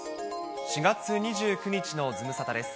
４月２９日のズムサタです。